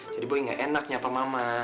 jadi boy gak enak nyapa mama